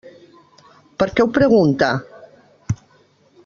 Per què ho pregunta?